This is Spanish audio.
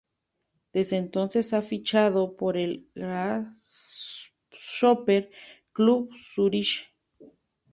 Desde entonces, ha fichado por el Grasshopper-Club Zürich.